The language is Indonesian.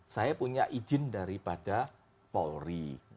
saya punya izin daripada polri